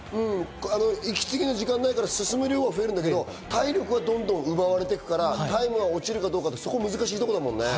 息継ぎの時間がないから進む量は増えるけど、体力はどんどん奪われていくからタイムが落ちるかどうか難しいところだよね。